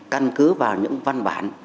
căn cứ vào những văn bản